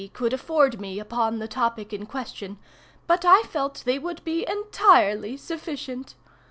could afford me upon the topic in question, but I felt they would be entirely sufficient.